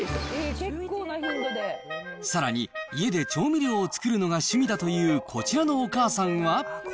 さらに、家で調味料を作るのが趣味だというこちらのお母さんは。